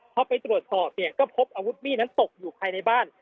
พอไปตรวจสอบเนี่ยก็พบอาวุธมีดนั้นตกอยู่ภายในบ้าน